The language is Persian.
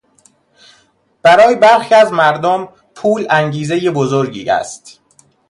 برای برخی از مردم، پول انگیزهی بزرگی است.